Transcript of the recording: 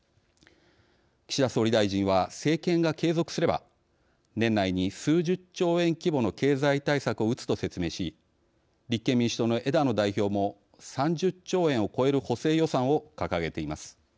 岸田総理大臣は政権が継続すれば年内に数十兆円規模の経済対策をうつと説明し立憲民主党の枝野代表も３０兆円を超える補正予算を掲げています。